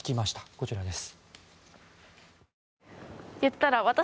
こちらです。